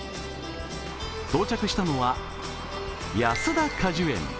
到着したのは、安田果樹園。